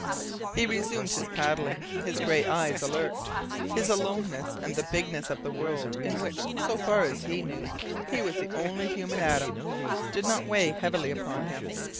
He resumed his paddling, his gray eyes alert. His aloneness and the bigness of the world in which, so far as he knew, he was the only human atom, did not weigh heavily upon him.